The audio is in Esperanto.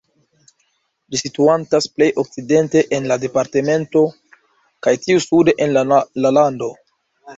Ĝi situantas plej okcidente en la departemento, kaj tiu sude en la lando.